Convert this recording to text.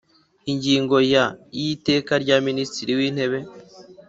Ingingo ya y Iteka rya Minisitiri wintebe